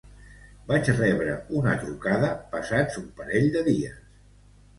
Vaig rebre una trucada passats un parell de dies.